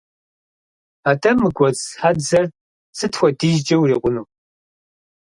АтӀэ, мы гуэдз хьэдзэр сыт хуэдизкӀэ урикъуну?